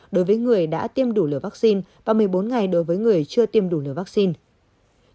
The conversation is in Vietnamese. đối với người đã tiêm đủ liều vaccine và một mươi bốn ngày đối với người chưa tiêm đủ liều vaccine